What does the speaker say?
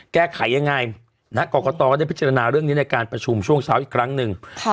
แก้ไขยังไงกรกตก็ได้พิจารณาเรื่องนี้ในการประชุมช่วงเช้าอีกครั้งหนึ่ง